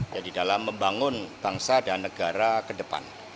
jadi dalam membangun bangsa dan negara ke depan